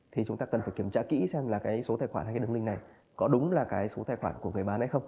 thì chúng ta cần phải kiểm tra kỹ xem số tài khoản hay đường link này có đúng là số tài khoản của người bán hay không